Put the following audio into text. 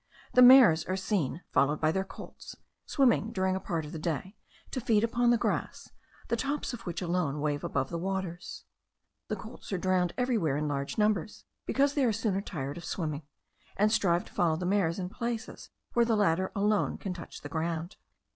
The mares are seen, followed by their colts,* swimming during a part of the day to feed upon the grass, the tops of which alone wave above the waters. (The colts are drowned everywhere in large numbers, because they are sooner tired of swimming, and strive to follow the mares in places where the latter alone can touch the ground.)